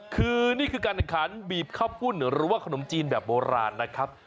คือนี่คือการแข่งขันบีบข้าวพุ่นหรือว่าขนมจีนแบบโบราณนะครับ